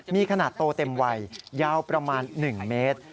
มีขนาดโตเต็มวัยยาวประมาณ๑เมตร